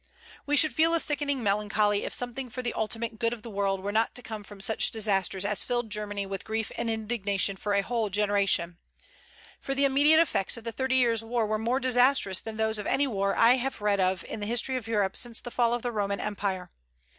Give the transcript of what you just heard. We should feel a sickening melancholy if something for the ultimate good of the world were not to come from such disasters as filled Germany with grief and indignation for a whole generation; for the immediate effects of the Thirty Years' War were more disastrous than those of any war I have read of in the history of Europe since the fall of the Roman Empire.